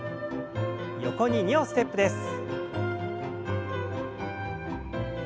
横に２歩ステップです。